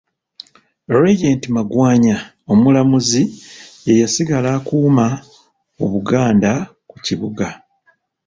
Regent Magwanya Omulamuzi ye yasigala akuuma Obuganda ku kibuga.